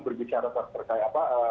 berbicara tentang terkait apa